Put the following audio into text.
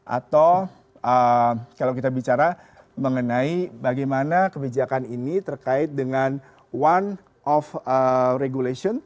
atau kalau kita bicara mengenai bagaimana kebijakan ini terkait dengan one of regulation